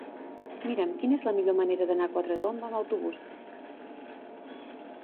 Mira'm quina és la millor manera d'anar a Quatretonda amb autobús.